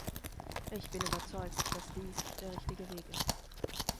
Ich bin überzeugt, dass dies der richtige Weg ist.